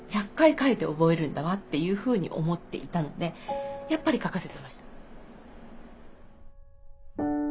「１００回書いて覚えるんだわ」っていうふうに思っていたのでやっぱり書かせてました。